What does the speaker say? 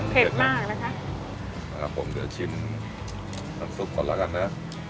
มากนะคะครับผมเดี๋ยวชิมน้ำซุปก่อนแล้วกันนะ